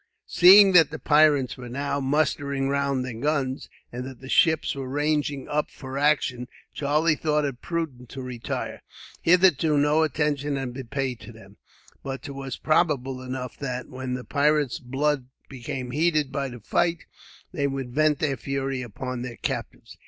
Seeing that the pirates were now mustering round their guns, and that the ships were ranging up for action, Charlie thought it prudent to retire. Hitherto no attention had been paid to them, but 'twas probable enough that, when the pirates' blood became heated by the fight, they would vent their fury upon their captives.